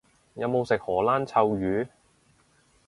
有冇食荷蘭臭魚？